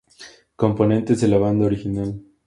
Componentes de la Banda original.